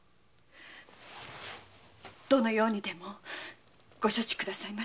どのようにでもご処置下さいませ。